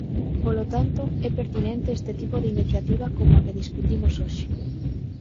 Polo tanto, é pertinente este tipo de iniciativa como a que discutimos hoxe.